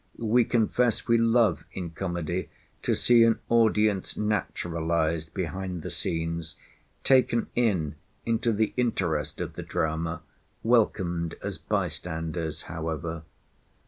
We confess we love in comedy to see an audience naturalised behind the scenes, taken in into the interest of the drama, welcomed as by standers however.